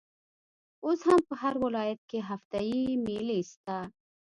اوس هم په هر ولايت کښي هفته يي مېلې سته.